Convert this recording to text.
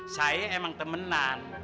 saya emang temenan